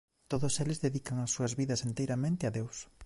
Todos eles dedican as súas vidas enteiramente a Deus.